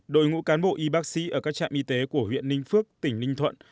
đội ngũ cán bộ y bác sĩ ở các trạm y tế của huyện ninh phước tỉnh ninh thuận